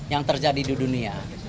yang terjadi di dunia